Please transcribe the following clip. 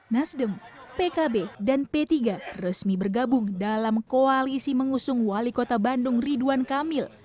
nasdem pkb dan p tiga resmi bergabung dalam koalisi mengusung wali kota bandung ridwan kamil